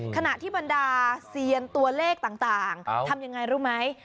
ขณะที่บรรดาเซียนตัวเลขต่างทำยังไงรู้ไหม